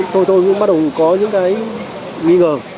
tôi tôi cũng bắt đầu có những cái nghi ngờ